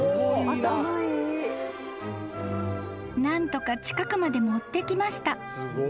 ［何とか近くまで持ってきました］